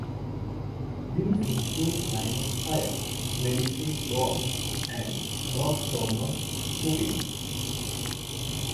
These include "Line of Fire", "Medicine Ball", and Rob Thomas's "Cupid".